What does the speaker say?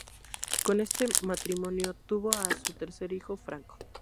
Con este matrimonio tuvo a su tercer hijo, Franco.